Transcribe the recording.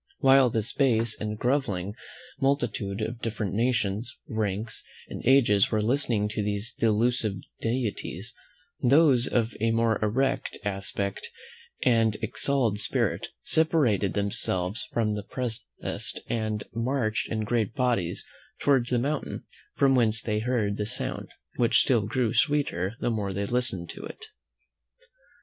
While this base and grovelling multitude of different nations, ranks, and ages were listening to these delusive deities, those of a more erect aspect and exalted spirit separated themselves from the rest, and marched in great bodies towards the mountain from whence they heard the sound, which still grew sweeter the more they listened to it.